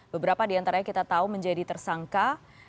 beberapa diantaranya kita tahu menjadi tersangka